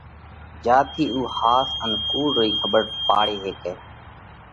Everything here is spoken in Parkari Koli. جيا ٿِي اُو ۿاس ان ڪُوڙ رئي کٻر پاڙي ھيڪئہ۔